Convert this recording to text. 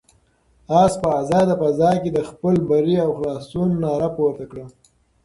آس په آزاده فضا کې د خپل بري او خلاصون ناره پورته کړه.